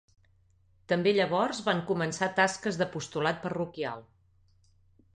També llavors van començar tasques d'apostolat parroquial.